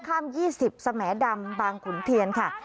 ท่าข้าม๒๐แสงแดมบางขุนเทียนค่ะ